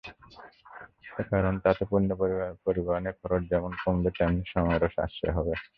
কারণ তাতে পণ্য পরিবহনের খরচ যেমন কমবে, তেমনি সময়েরও সাশ্রয় হবে।